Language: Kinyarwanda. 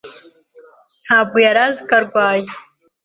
Ntabwo yari azi ko arwaye.